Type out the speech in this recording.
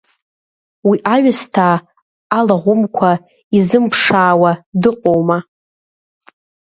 Уи аҩысҭаа алаӷәымқәа изымԥшаауа дыҟоума.